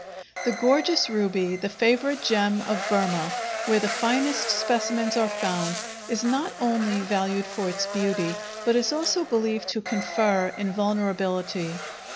The gorgeous ruby, the favorite gem of Burma, where the finest specimens are found, is not only valued for its beauty, but is also believed to confer invulnerability.